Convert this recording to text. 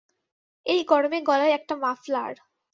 এই গরমে গলায় একটা মাফলার।